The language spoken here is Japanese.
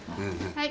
はい。